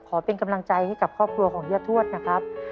เป็นกำลังใจให้กับครอบครัวของย่าทวดนะครับ